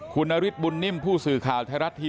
คุณนฤทธบุญนิ่มผู้สื่อข่าวไทยรัฐทีวี